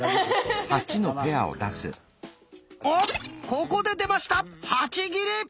ここで出ました「８切り」。